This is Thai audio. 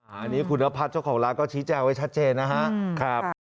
อันนี้คุณภัทรเจ้าของรักก็ชี้แจ้วไว้ชัดเจนนะฮะครับ